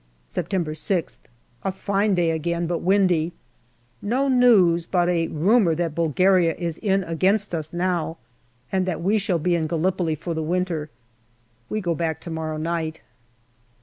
September 6th. A fine day again, but windy. No news, but a rumour that Bulgaria* is against us now, and that we shall be in Gallipoli for the winter. We go back to morrow night.